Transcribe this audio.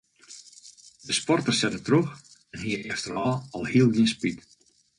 De sporter sette troch en hie efterôf alhiel gjin spyt.